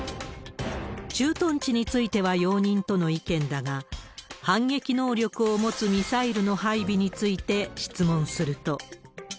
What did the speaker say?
駐屯地については容認との意見だが、反撃能力を持つミサイルの配備について質問すると。